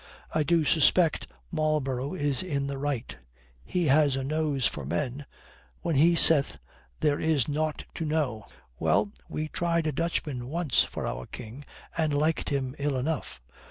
I do suspect Marlborough is in the right he has a nose for men when he saith there is nought to know. Well, we tried a Dutchman once for our King and liked him ill enough.